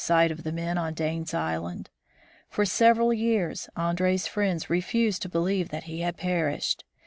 sight of the men on Dane's island. For several years Andree's friends refused to believe that he had perished.